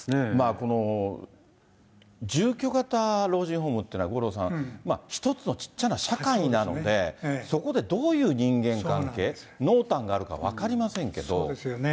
この住居型老人ホームってのは、五郎さん、一つの小っちゃな社会なので、そこでどういう人間関係、そうですよね。